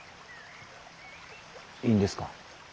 いいんですか？